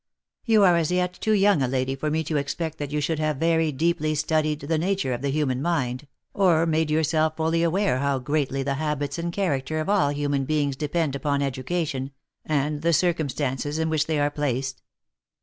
You are as yet too young a lady for me to expect that you should have very deeply studied the nature of the human mind, or made yourself fully aware how greatly the habits and character of all human beings depend upon education, and the circum stances in which they are placed.